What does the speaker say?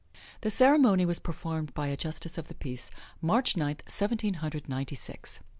The ceremony was performed by a Justice of the Peace, March Ninth, Seventeen Hundred Ninety six.